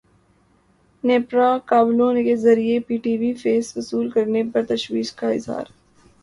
نیپرا کا بلوں کے ذریعے پی ٹی وی فیس وصول کرنے پر تشویش کا اظہار